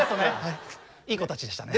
いい子たちでしたね。